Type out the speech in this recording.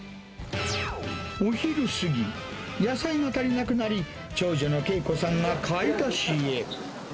お昼過ぎ、野菜が足りなくなり、長女の敬子さんが買い出しへ。